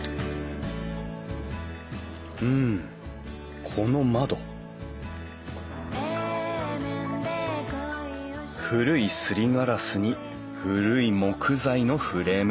うんこの窓古いすりガラスに古い木材のフレーム。